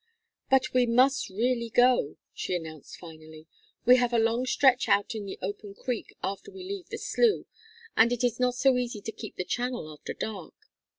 "But we must really go," she announced, finally. "We have a long stretch out in the open creek after we leave the slough, and it is not so easy to keep the channel after dark.